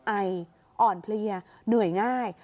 ไออ่อนเพลียเหนื่อยง่าย